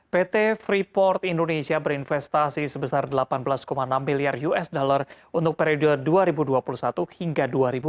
pt freeport indonesia berinvestasi sebesar delapan belas enam miliar usd untuk periode dua ribu dua puluh satu hingga dua ribu dua puluh